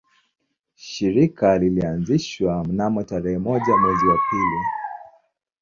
Shirika lilianzishwa mnamo tarehe moja mwezi wa pili